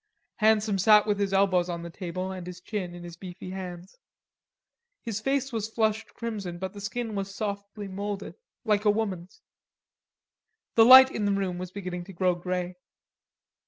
Handsome sat with his elbows on the table, and his chin in his beefy hands. His face was flushed crimson, but the skin was softly moulded, like a woman's. The light in the room was beginning to grow grey.